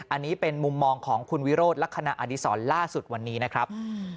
อันนี้เป็นมุมมองของคุณวิโรธลักษณะอดีศรล่าสุดวันนี้นะครับ